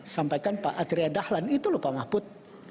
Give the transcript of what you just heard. sampaikan pak atria dahlan itu lho pak mahfud